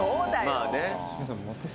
まあね。